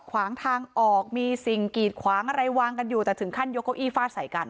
ขวางทางออกมีสิ่งกีดขวางอะไรวางกันอยู่แต่ถึงขั้นยกเก้าอี้ฟาดใส่กัน